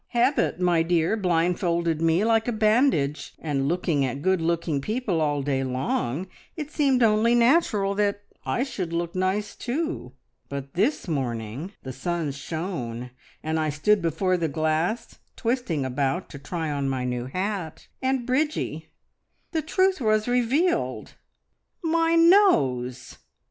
Habit, my dear, blindfolded me like a bandage, and looking at good looking people all day long it seemed only natural that I should look nice too. But this morning the sun shone, and I stood before the glass twisting about to try on my new hat, and, Bridgie, the truth was revealed! My nose!"